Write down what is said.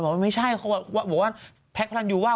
บอกว่าไม่ใช่บอกว่าแพ็คพลังยูว่า